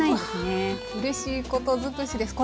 うれしいこと尽くしです。